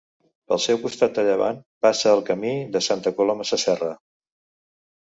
Pel seu costat de llevant passa el Camí de Santa Coloma Sasserra.